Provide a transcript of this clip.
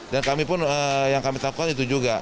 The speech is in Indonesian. dan kami pun yang kami takutkan itu juga